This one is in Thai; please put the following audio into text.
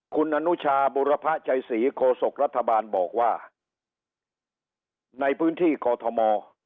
คุณอนุชาบุรพะชัยศรีโคศกรัฐบาลบอกว่าในพื้นที่กอทม